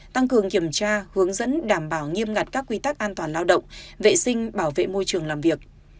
tăng cường kiểm tra hướng dẫn đảm bảo nghiêm ngặt các quy tắc an toàn lao động vệ sinh bảo vệ môi trường làm việc